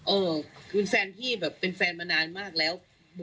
เออคือแฟนพี่แบบเป็นแฟนมานานมากแล้ว